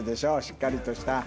しっかりとした。